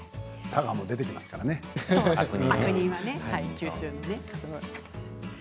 佐賀も出てきますからね「悪人」は。